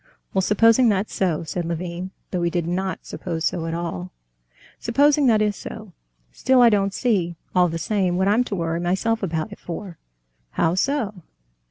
"Well, supposing that's so," said Levin, though he did not suppose so at all, "supposing that is so, still I don't see, all the same, what I'm to worry myself about it for." "How so?"